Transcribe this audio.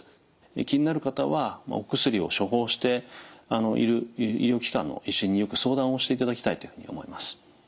気になる方はお薬を処方をしている医療機関の医師によく相談をしていただきたいと思います。